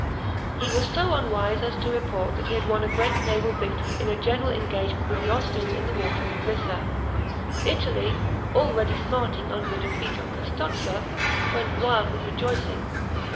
He was so unwise as to report that he had won a great naval victory in a general engagement with the Austrians in the waters of Lissa. Italy, already smarting under the defeat of Custozza, went wild with rejoicing.